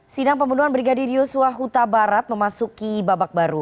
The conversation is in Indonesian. sidang pembunuhan brigadir yosua huta barat memasuki babak baru